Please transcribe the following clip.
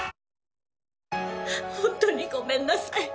本当にごめんなさい。